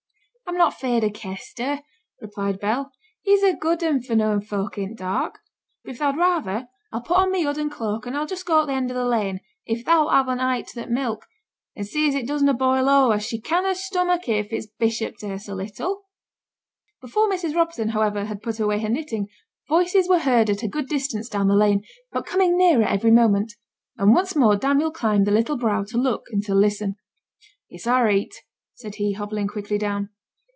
'I'm not afeard o' Kester,' replied Bell. 'He's a good one for knowing folk i' th' dark. But if thou'd rather, I'll put on my hood and cloak and just go to th' end o' th' lane, if thou'lt have an eye to th' milk, and see as it does na' boil o'er, for she canna stomach it if it's bishopped e'er so little.' Before Mrs. Robson, however, had put away her knitting, voices were heard at a good distance down the lane, but coming nearer every moment, and once more Daniel climbed the little brow to look and to listen. 'It's a' reet!' said he, hobbling quickly down.